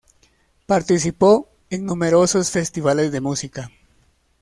Participó en numerosos festivales de música.